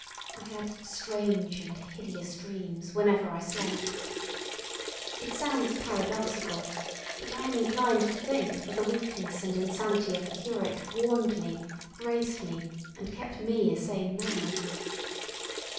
I had strange and hideous dreams whenever I slept. It sounds paradoxical, but I am inclined to think that the weakness and insanity of the curate warned me, braced me, and kept me a sane man.